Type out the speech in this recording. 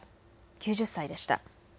９０歳でした。